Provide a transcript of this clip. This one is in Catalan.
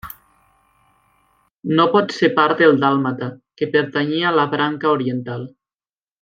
No pot ser part del dàlmata, que pertanyia a la branca oriental.